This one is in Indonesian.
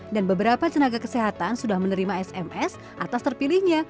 beberapa tenaga kesehatan sudah menerima sms atas terpilihnya